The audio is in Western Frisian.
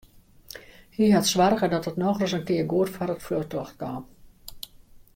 Hy hat soarge dat it nochris in kear goed foar it fuotljocht kaam.